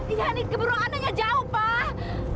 iya ini keburu anaknya jauh pak